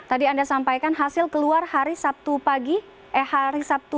jadi tadi anda sampaikan hasil keluar hari sabtu pagi eh hari sabtu